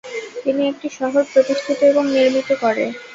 তিনি একটি শহর প্রতিষ্ঠিত এবং নির্মিত করে।